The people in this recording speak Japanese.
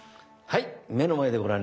はい。